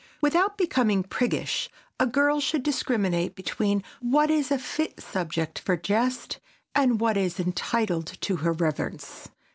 Without becoming priggish, a girl should discriminate between what is a fit subject for jest and what is entitled to her reverence.